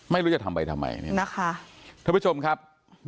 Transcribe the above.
ไม่รู้จะทำไปทำไมนะคะทุกผู้ชมครับ